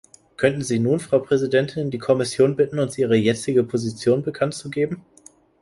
Könnten Sie nun, Frau Präsidentin, die Kommission bitten, uns ihre jetzige Position bekanntzugeben?